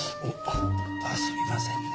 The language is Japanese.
あっすみませんね。